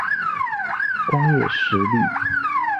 光叶石栎